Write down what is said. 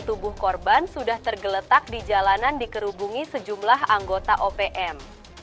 dan tubuh korban sudah tergeletak di jalanan dikerubungi sejumlah anggota opm